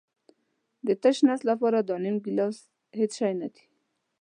د تش نس لپاره دا نیم ګیلاس هېڅ شی نه دی.